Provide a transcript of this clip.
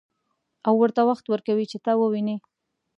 او ورته وخت ورکوي چې تا وويني.